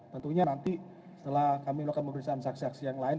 tentunya nanti setelah kami melakukan pemeriksaan saksi saksi yang lain